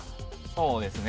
そうですね